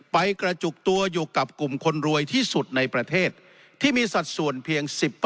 ไปกระจุกตัวอยู่กับกลุ่มคนรวยที่สุดในประเทศที่มีสัดส่วนเพียง๑๐